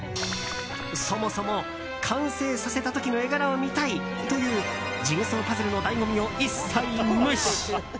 そもそも、完成させた時の絵柄を見たい！というジグソーパズルの醍醐味を一切無視。